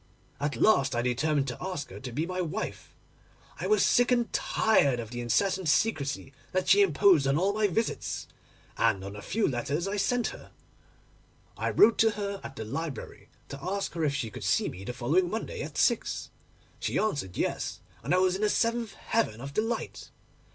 At last I determined to ask her to be my wife: I was sick and tired of the incessant secrecy that she imposed on all my visits, and on the few letters I sent her. I wrote to her at the library to ask her if she could see me the following Monday at six. She answered yes, and I was in the seventh heaven of delight.